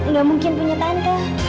gak mungkin punya tante